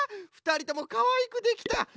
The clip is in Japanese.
ふたりともかわいくできた。